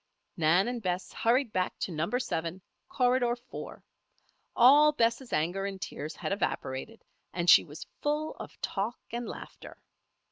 Nan and Bess hurried back to Number Seven, Corridor Four. All Bess' anger and tears had evaporated, and she was full of talk and laughter.